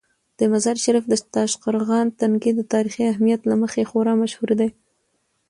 د مزار شریف د تاشقرغان تنګي د تاریخي اهمیت له مخې خورا مشهور دی.